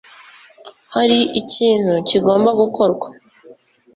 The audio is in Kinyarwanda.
Hari ikintu kigomba gukorwa